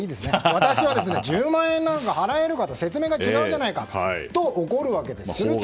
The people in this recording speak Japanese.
私は、１０万円なんか払えるか説明が違うじゃないかと怒るわけです。